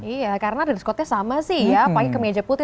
iya karena riskotnya sama sih ya pakai kemeja putih